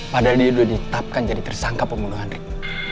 padahal dia udah ditapkan jadi tersangka pembunuhan rick